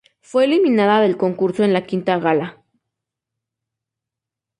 Fue eliminada del concurso en la quinta gala.